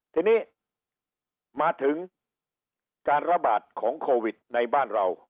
ทีนี้มาถึงการระบาดของโควิดในบ้านเรา